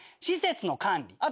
施設の管理。